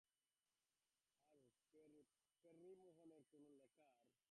আর প্যারীমোহনের কোনো লেখার উপরে খবরদার কলম চালাসনে।